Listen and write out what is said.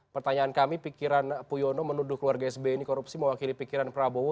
pertanyaan kami pikiran puyono menuduh keluarga sby ini korupsi mewakili pikiran prabowo